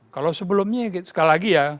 kalau sebelumnya sekali lagi ya